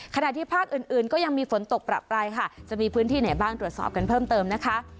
ขณะที่ภาคอื่นอื่นก็ยังมีฝนตกประปรายค่ะจะมีพื้นที่ไหนบ้างตรวจสอบกันเพิ่มเติมนะคะ